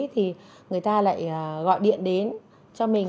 thì người ta lại gọi điện đến cho mình